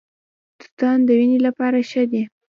توتان د وینې لپاره ښه دي.